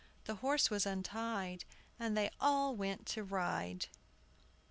The horse was untied, and they all went to ride.